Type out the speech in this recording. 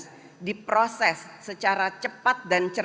sehingga kemudian diperlukan untuk mengambil tindakan cepat dan antisipatif